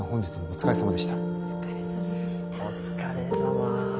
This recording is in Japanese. お疲れさま。